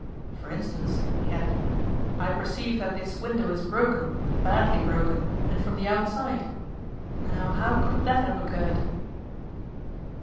'For instance,' he added, 'I perceive that this window is broken, badly broken, and from the outside. Now, how could that have occurred?